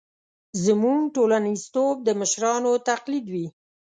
زموږ ټولنیزتوب د مشرانو تقلید وي.